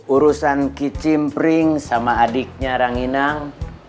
urusan kicim pring sama adiknya ranginang